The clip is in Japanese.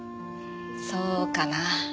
そうかなあ？